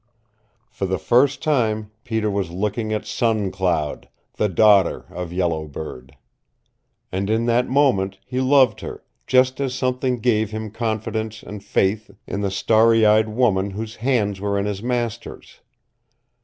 For the first time Peter was looking at Sun Cloud, the daughter of Yellow Bird. And in that moment he loved her, just as something gave him confidence and faith in the starry eyed woman whose hands were in his master's.